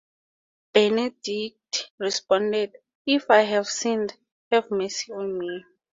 Benedict responded, If I have sinned, have mercy on me.